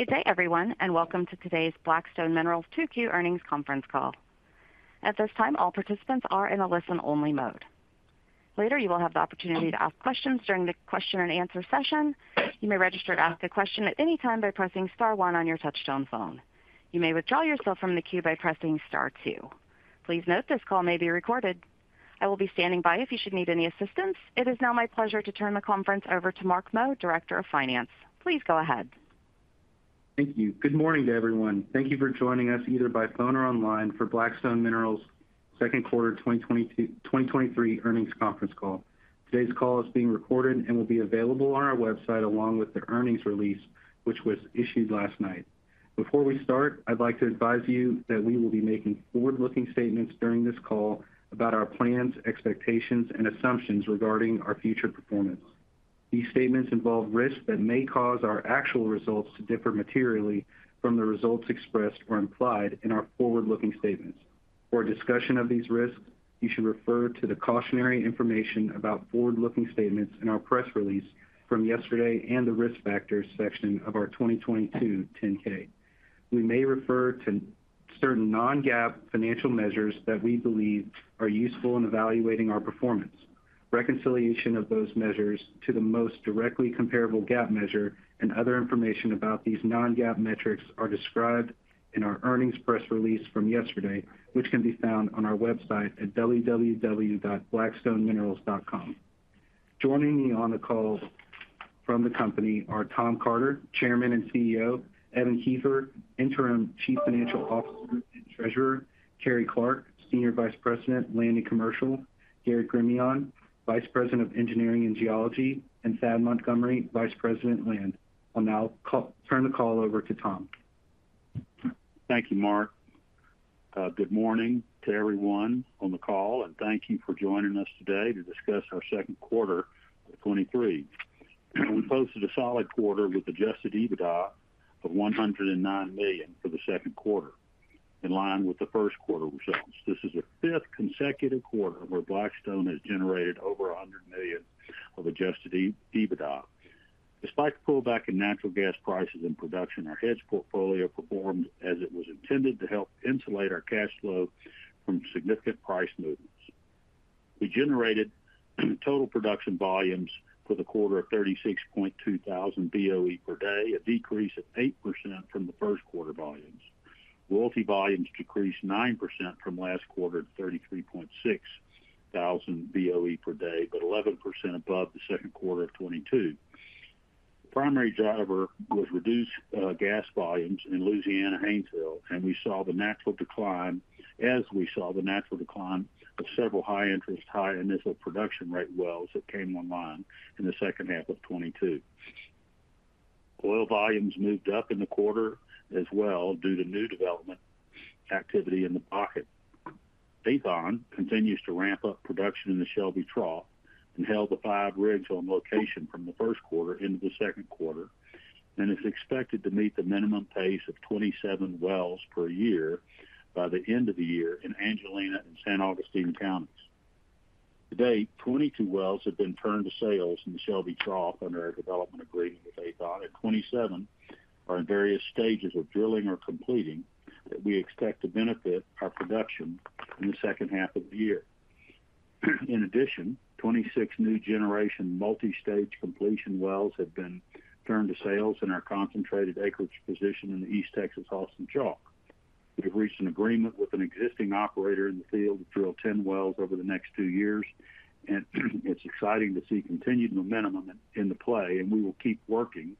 Good day everyone and welcome to today's Blackstone Minerals Q2 Earnings Conference Call. At this time, all participants are in a listen-only mode. Later, you will have the opportunity to ask questions during the question and answer session. You may register to ask a question at any time by pressing star one on your touchtone phone. You may withdraw yourself from the queue by pressing star two. Please note, this call may be recorded. I will be standing by if you should need any assistance. It is now my pleasure to turn the conference over to Mark Meaux, Director of Finance. Please go ahead. Thank you. Good morning to everyone. Thank you for joining us, either by phone or online, for Blackstone Minerals' Q2 2023 earnings conference call. Today's call is being recorded and will be available on our website, along with the earnings release, which was issued last night. Before we start, I'd like to advise you that we will be making forward-looking statements during this call about our plans, expectations, and assumptions regarding our future performance. These statements involve risks that may cause our actual results to differ materially from the results expressed or implied in our forward-looking statements. For a discussion of these risks, you should refer to the cautionary information about forward-looking statements in our press release from yesterday and the Risk Factors section of our 2022 10-K. We may refer to certain non-GAAP financial measures that we believe are useful in evaluating our performance. Reconciliation of those measures to the most directly comparable GAAP measure and other information about these non-GAAP metrics are described in our earnings press release from yesterday, which can be found on our website at www.blackstoneminerals.com. Joining me on the call from the company are Tom Carter, Chairman and CEO; Evan Kiefer, Interim Chief Financial Officer and Treasurer; Carrie Clark, Senior Vice President, Land and Commercial; Garrett Gremillion, Vice President of Engineering and Geology; and Thad Montgomery, Vice President, Land. I'll now turn the call over to Tom. Thank you, Mark. Good morning to everyone on the call, thank you for joining us today to discuss our Q2 of 2023. We posted a solid quarter with adjusted EBITDA of $109 million for the Q2, in line with the Q1 results. This is the fifth consecutive quarter where Black Stone Minerals has generated over $100 million of adjusted EBITDA. Despite the pullback in natural gas prices and production, our hedge portfolio performed as it was intended to help insulate our cash flow from significant price movements. We generated total production volumes for the quarter of 36.2 thousand BOE per day, a decrease of 8% from the Q1 volumes. Royalty volumes decreased 9% from last quarter to 33.6 thousand BOE per day, 11% above the Q2 of 2022. The primary driver was reduced gas volumes in Louisiana Haynesville, and we saw the natural decline as we saw the natural decline of several high interest, high initial production rate wells that came online in the H2 of 2022. Oil volumes moved up in the quarter as well due to new development activity in the pocket. Aethon continues to ramp up production in the Shelby Trough and held the 5 rigs on location from the Q1 into the Q2, and is expected to meet the minimum pace of 27 wells per year by the end of the year in Angelina and San Augustine counties. To date, 22 wells have been turned to sales in the Shelby Trough under our development agreement with Aethon, and 27 are in various stages of drilling or completing, that we expect to benefit our production in the H2 of the year. In addition, 26 new generation multi-stage completion wells have been turned to sales in our concentrated acreage position in the East Texas Austin Chalk. We've reached an agreement with an existing operator in the field to drill 10 wells over the next two years, and it's exciting to see continued momentum in the play, and we will keep working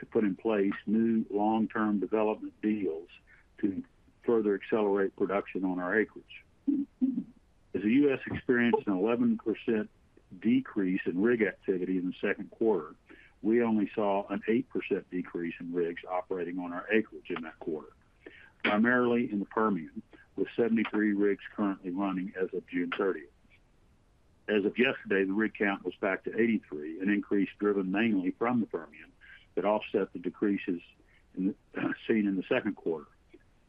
to put in place new long-term development deals to further accelerate production on our acreage. As the U.S. experienced an 11% decrease in rig activity in the Q2, we only saw an 8% decrease in rigs operating on our acreage in that quarter, primarily in the Permian, with 73 rigs currently running as of June 30th. As of yesterday, the rig count was back to 83, an increase driven mainly from the Permian that offset the decreases in the, seen in the Q2.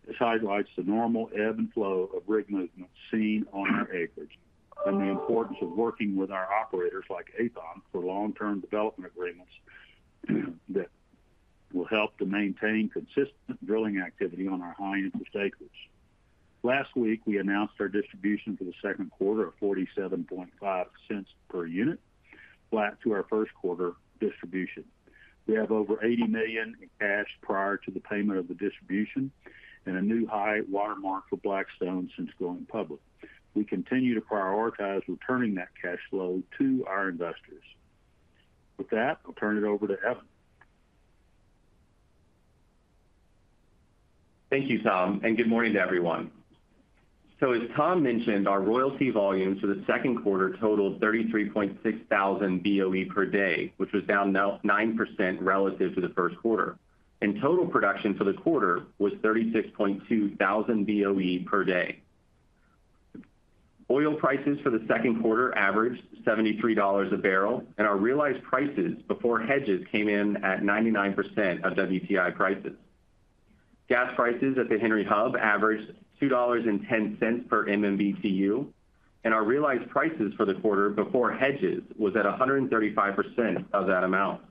This highlights the normal ebb and flow of rig movement seen on our acreage and the importance of working with our operators, like Aethon, for long-term development agreements, that will help to maintain consistent drilling activity on our high-interest acreage. Last week, we announced our distribution for the Q2 of $0.475 per unit, flat to our Q1 distribution. We have over $80 million in cash prior to the payment of the distribution and a new high watermark for Black Stone Minerals since going public. We continue to prioritize returning that cash flow to our investors. With that, I'll turn it over to Evan. Thank you, Tom. Good morning to everyone. As Tom mentioned, our royalty volumes for the Q2 totaled 33.6 thousand BOE per day, which was down 9% relative to the Q1. Total production for the quarter was 36.2 thousand BOE per day. Oil prices for the Q2 averaged $73 a barrel. Our realized prices before hedges came in at 99% of WTI prices. Gas prices at the Henry Hub averaged $2.10 per MMBtu. Our realized prices for the quarter before hedges was at 135% of that amount.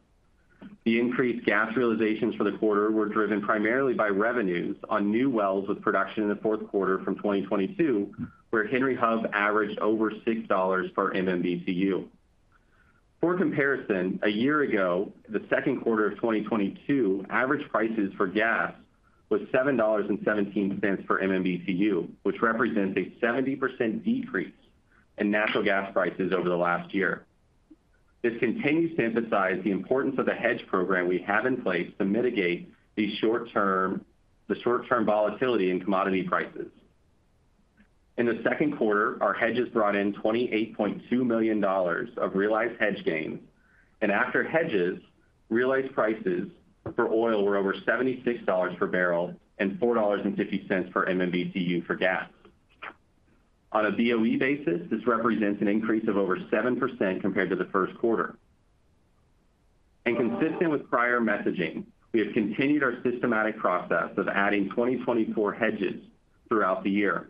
The increased gas realizations for the quarter were driven primarily by revenues on new wells with production in the 4th quarter from 2022, where Henry Hub averaged over $6 per MMBtu. For comparison, a year ago, the 2nd quarter of 2022, average prices for gas was $7.17 per MMBtu, which represents a 70% decrease in natural gas prices over the last year. This continues to emphasize the importance of the hedge program we have in place to mitigate the short-term volatility in commodity prices. In the Q2, our hedges brought in $28.2 million of realized hedge gains, and after hedges, realized prices for oil were over $76 per barrel and $4.50 per MMBtu for gas. On a BOE basis, this represents an increase of over 7% compared to the Q1. Consistent with prior messaging, we have continued our systematic process of adding 2024 hedges throughout the year.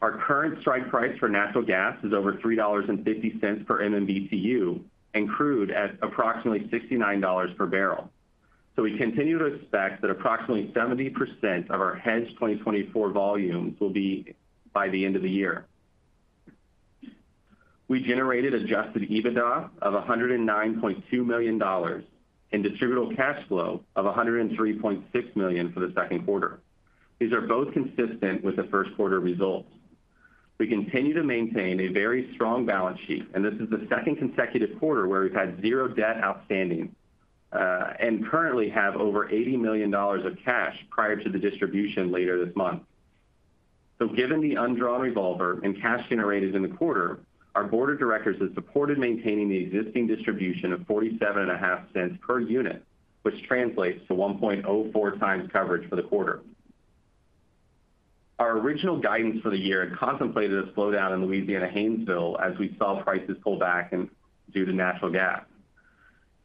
Our current strike price for natural gas is over $3.50 per MMBtu, and crude at approximately $69 per barrel. We continue to expect that approximately 70% of our hedged 2024 volumes will be by the end of the year. We generated adjusted EBITDA of $109.2 million, and distributable cash flow of $103.6 million for the Q2. These are both consistent with the Q1 results. We continue to maintain a very strong balance sheet, and this is the second consecutive quarter where we've had 0 debt outstanding, and currently have over $80 million of cash prior to the distribution later this month. Given the undrawn revolver and cash generated in the quarter, our board of directors has supported maintaining the existing distribution of $0.475 per unit, which translates to 1.04 times coverage for the quarter. Our original guidance for the year had contemplated a slowdown in Louisiana Haynesville as we saw prices pull back and due to natural gas.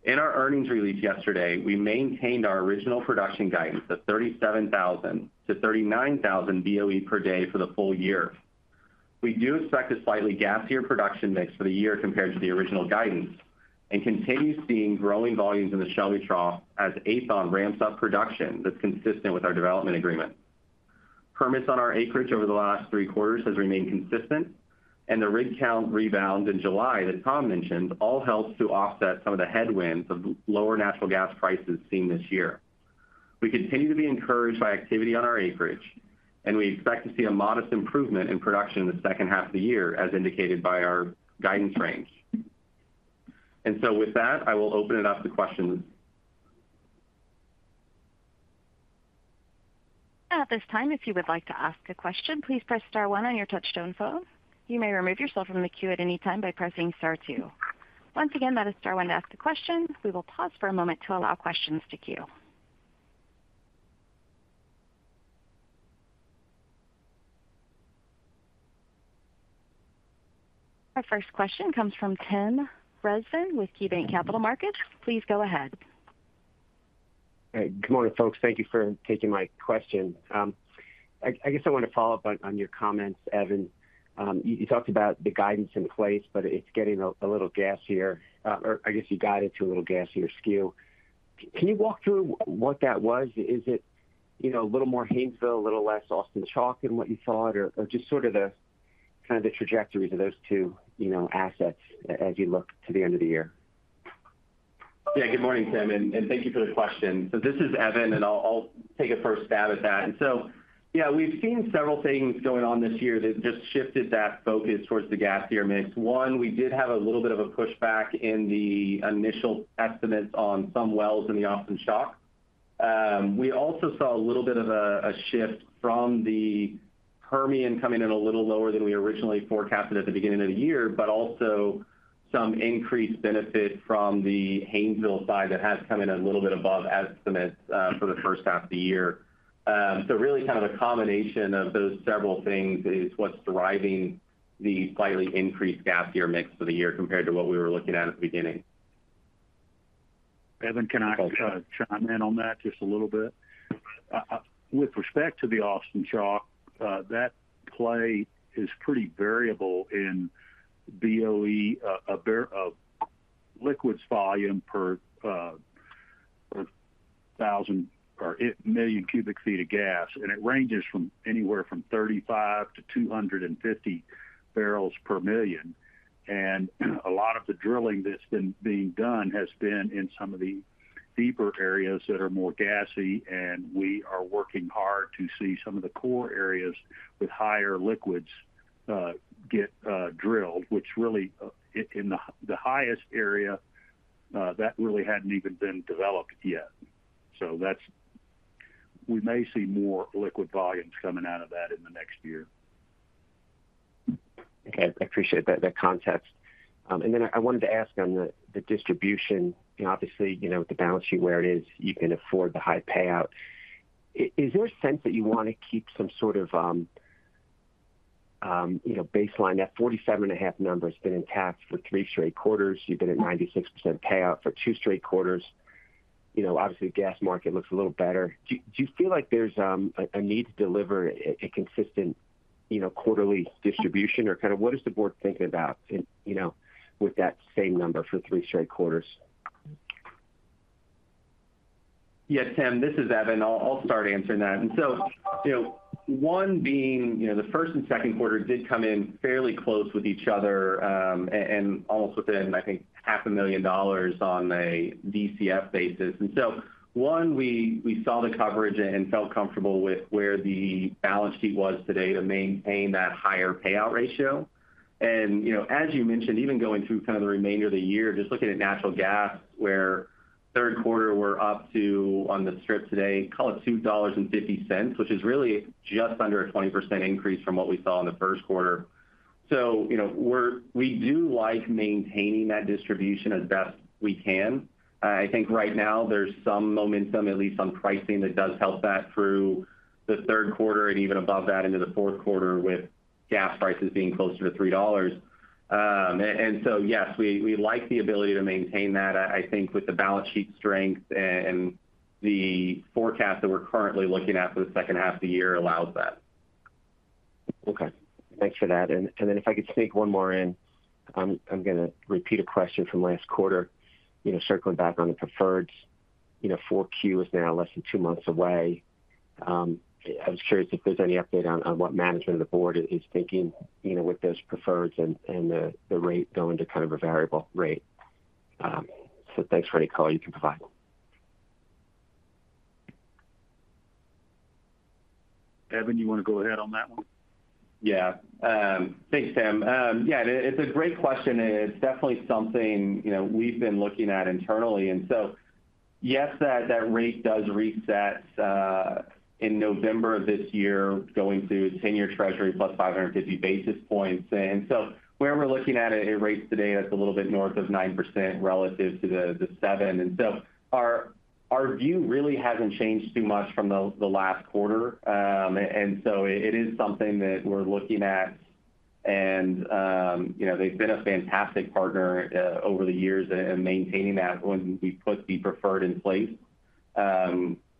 In our earnings release yesterday, we maintained our original production guidance of 37,000 to 39,000 BOE per day for the full year. We do expect a slightly gassier production mix for the year compared to the original guidance, and continue seeing growing volumes in the Shelby Trough as Aethon ramps up production that's consistent with our development agreement. Permits on our acreage over the last three quarters has remained consistent, and the rig count rebound in July that Tom mentioned, all helps to offset some of the headwinds of lower natural gas prices seen this year. We continue to be encouraged by activity on our acreage, and we expect to see a modest improvement in production in the H2 of the year, as indicated by our guidance range. With that, I will open it up to questions. At this time, if you would like to ask a question, please press star one on your touchtone phone. You may remove yourself from the queue at any time by pressing star two. Once again, that is star one to ask a question. We will pause for a moment to allow questions to queue. Our first question comes from Tim Rezvan with KeyBanc Capital Markets. Please go ahead. Hey, good morning, folks. Thank you for taking my question. I, I guess I want to follow up on, on your comments, Evan. You, you talked about the guidance in place, but it's getting a little gassier, or I guess you got it to a little gassier skew. Can you walk through what that was? Is it, you know, a little more Haynesville, a little less Austin Chalk than what you thought? Just sort of the, kind of the trajectories of those two, you know, assets as you look to the end of the year. Yeah. Good morning, Tim, and thank you for the question. This is Evan, and I'll take a first stab at that. Yeah, we've seen several things going on this year that just shifted that focus towards the gassier mix. One, we did have a little bit of a pushback in the initial estimates on some wells in the Austin Chalk. We also saw a little bit of a shift from the Permian coming in a little lower than we originally forecasted at the beginning of the year, but also some increased benefit from the Haynesville side that has come in a little bit above estimates for the H1 of the year. Really kind of a combination of those several things is what's driving the slightly increased gassier mix for the year compared to what we were looking at at the beginning. Evan, can I chime in on that just a little bit? With respect to the Austin Chalk, that play is pretty variable in BOE, liquids volume per 1,000 or 1 million cubic feet of gas, and it ranges from anywhere from 35 to 250 barrels per 1 million. A lot of the drilling that's been being done has been in some of the deeper areas that are more gassy, and we are working hard to see some of the core areas with higher liquids, get drilled, which really, in the highest area, that really hadn't even been developed yet. That's. We may see more liquid volumes coming out of that in the next year. Okay, I appreciate that, that context. Then I wanted to ask on the, the distribution. Obviously, you know, with the balance sheet where it is, you can afford the high payout. Is there a sense that you want to keep some sort of, you know, baseline, that 47.5 number has been intact for 3 straight quarters. You've been at 96% payout for 2 straight quarters. You know, obviously, gas market looks a little better. Do, do you feel like there's a, a need to deliver a, a consistent, you know, quarterly distribution? Kind of what is the board thinking about in, you know, with that same number for 3 straight quarters? Yeah, Tim, this is Evan. I'll, I'll start answering that. So, you know, one being, you know, the Q1 and Q2 did come in fairly close with each other, and almost within, I think, $500,000 on a DCF basis. So one, we, we saw the coverage and, and felt comfortable with where the balance sheet was today to maintain that higher payout ratio. You know, as you mentioned, even going through kind of the remainder of the year, just looking at natural gas, where third quarter we're up to, on the strip today, call it $2.50, which is really just under a 20% increase from what we saw in the Q1. You know, we're we do like maintaining that distribution as best we can. I think right now there's some momentum, at least on pricing, that does help that through the third quarter and even above that into the fourth quarter with gas prices being closer to $3. Yes, we, we like the ability to maintain that. I, I think with the balance sheet strength and, and the forecast that we're currently looking at for the H2 of the year allows that. Okay. Thanks for that. Then if I could sneak one more in. I'm gonna repeat a question from last quarter. You know, circling back on the preferreds. You know, 4Q is now less than 2 months away. I was curious if there's any update on what management of the board is thinking, you know, with those preferreds and the rate going to kind of a variable rate. Thanks for any color you can provide. Evan, you want to go ahead on that one? Yeah. thanks, Tim. Yeah, it, it's a great question, and it's definitely something, you know, we've been looking at internally. Yes, that, that rate does reset in November of this year, going to 10-year treasury plus 550 basis points. Where we're looking at it, it rates today, that's a little bit north of 9% relative to the, the 7%. Our, our view really hasn't changed too much from the, the last quarter. It, it is something that we're looking at. And, you know, they've been a fantastic partner over the years in maintaining that when we put the preferred in place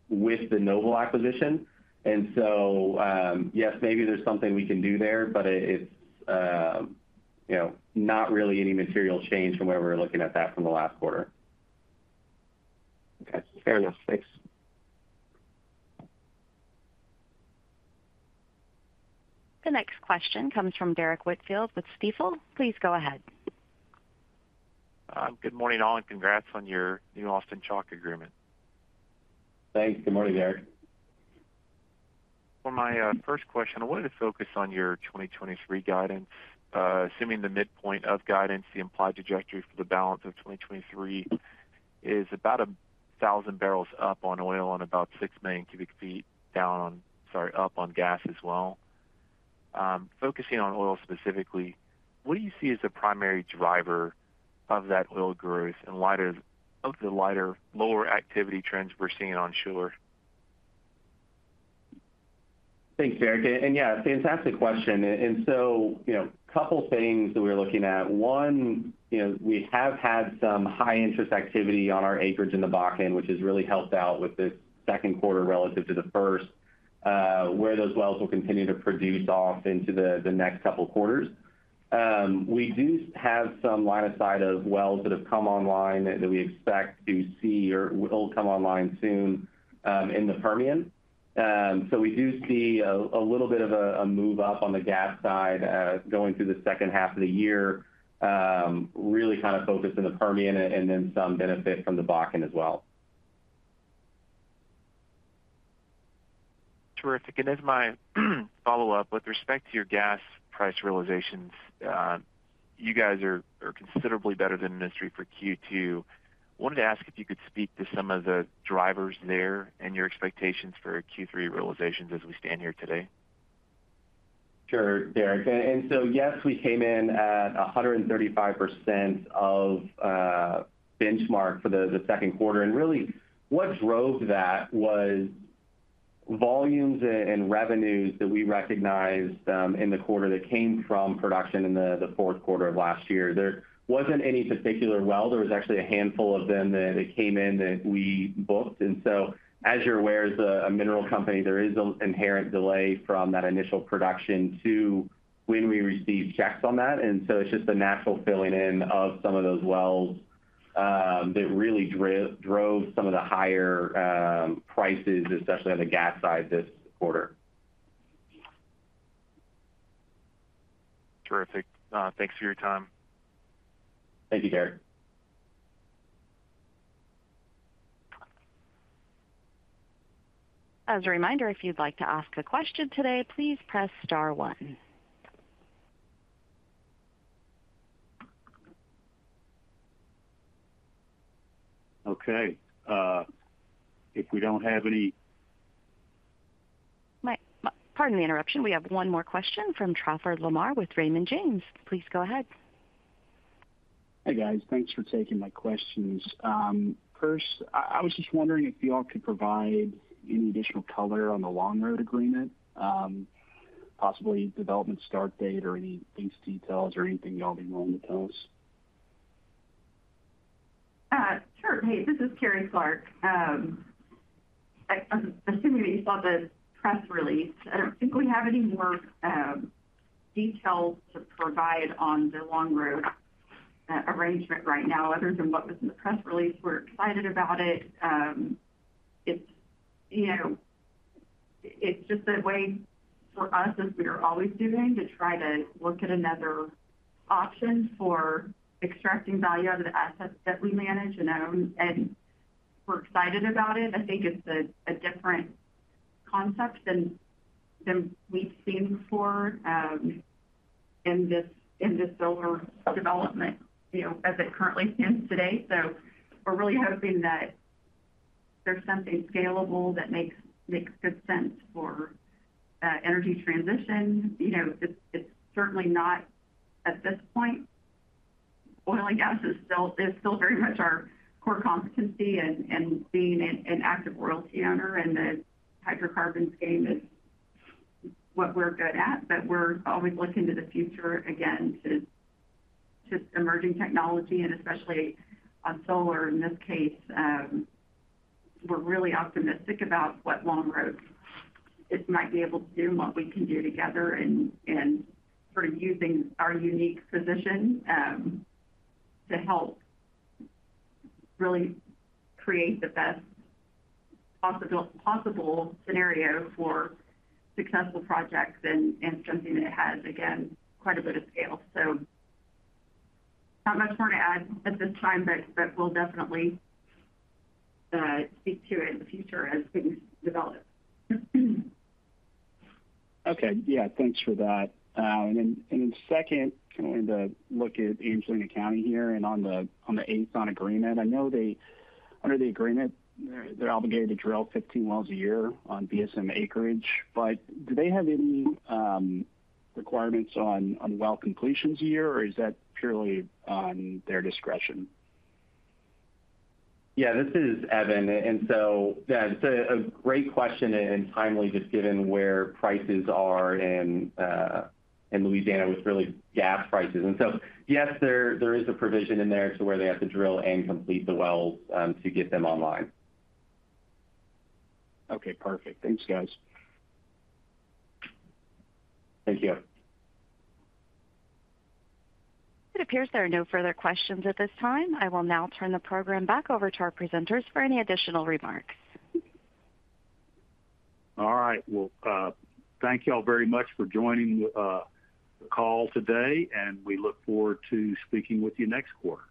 with the Noble acquisition. Yes, maybe there's something we can do there, but it, it's, you know, not really any material change from where we were looking at that from the last quarter. Okay. Fair enough. Thanks. The next question comes from Derrick Whitfield with Stifel. Please go ahead. Good morning, all, and congrats on your new Austin Chalk agreement. Thanks. Good morning, Derek. For my first question, I wanted to focus on your 2023 guidance. Assuming the midpoint of guidance, the implied trajectory for the balance of 2023 is about 1,000 barrels up on oil and about 6 million cubic feet down on, sorry, up on gas as well. Focusing on oil specifically, what do you see as the primary driver of that oil growth and of the lighter, lower activity trends we're seeing on shore? Thanks, Derrick. Yeah, it's a fantastic question. You know, a couple of things that we're looking at. One, you know, we have had some high-interest activity on our acreage in the Bakken, which has really helped out with the Q2 relative to the first, where those wells will continue to produce off into the next couple of quarters. We do have some line of sight of wells that have come online that we expect to see or will come online soon in the Permian. We do see a little bit of a move up on the gas side, going through the H2 of the year, really kind of focused in the Permian and then some benefit from the Bakken as well. Terrific. As my follow-up, with respect to your gas price realizations, you guys are, are considerably better than the industry for Q2. Wanted to ask if you could speak to some of the drivers there and your expectations for Q3 realizations as we stand here today. Sure, Derek. And so, yes, we came in at 135% of benchmark for the 2nd quarter. Really, what drove that was volumes a- and revenues that we recognized in the quarter that came from production in the 4th quarter of last year. There wasn't any particular well, there was actually a handful of them that came in that we booked. As you're aware, as a mineral company, there is an inherent delay from that initial production to when we receive checks on that. It's just the natural filling in of some of those wells that really dri- drove some of the higher prices, especially on the gas side this quarter. Terrific. Thanks for your time. Thank you, Derrick. As a reminder, if you'd like to ask a question today, please press star one. Okay, if we don't have any. Pardon the interruption. We have one more question from Trafford Lamar with Raymond James. Please go ahead. Hey, guys. Thanks for taking my questions. First, I, I was just wondering if you all could provide any additional color on the Longroad agreement, possibly development start date or any phase details or anything you all be willing to tell us? Sure. Hey, this is Carrie Clark. I, I'm assuming that you saw the press release. I don't think we have any more details to provide on the Longroad arrangement right now other than what was in the press release. We're excited about it. It's, you know, it's just a way for us, as we are always doing, to try to look at another option for extracting value out of the assets that we manage and own, and we're excited about it. I think it's a, a different concept than, than we've seen before in this, in this solar development, you know, as it currently stands today. We're really hoping that there's something scalable that makes, makes good sense for energy transition. You know, it's, it's certainly not at this point. Oil and gas is still, is still very much our core competency and, and being an, an active royalty owner in the hydrocarbons game is what we're good at. We're always looking to the future again to emerging technology and especially on solar in this case, we're really optimistic about what Longroad it might be able to do and what we can do together and, and sort of using our unique position, to help really create the best possible, possible scenario for successful projects and, and something that has, again, quite a bit of scale. Not much more to add at this time, but, but we'll definitely speak to it in the future as things develop. Okay. Yeah, thanks for that. Then second, going to look at Angelina County here and on the, on the Aethon agreement. I know under the agreement, they're, they're obligated to drill 15 wells a year on BSM acreage, but do they have any requirements on, on well completions a year, or is that purely on their discretion? Yeah, this is Evan. Yeah, it's a, a great question and timely, just given where prices are in Louisiana with really gas prices. Yes, there, there is a provision in there to where they have to drill and complete the wells to get them online. Okay, perfect. Thanks, guys. Thank you. It appears there are no further questions at this time. I will now turn the program back over to our presenters for any additional remarks. All right. Well, thank you all very much for joining the call today, and we look forward to speaking with you next quarter.